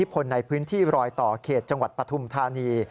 พลในพื้นที่รอยต่อเขตจังหวัดปฐุมธานี